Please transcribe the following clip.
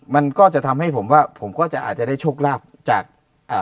มันก็จะทำให้ผมว่าผมก็จะอาจจะได้โชคลาภจากอ่า